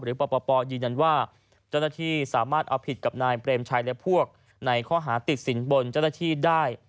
ปปยืนยันว่าเจ้าหน้าที่สามารถเอาผิดกับนายเปรมชัยและพวกในข้อหาติดสินบนเจ้าหน้าที่ได้